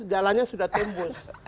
jalannya sudah tembus